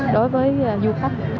đối với du khách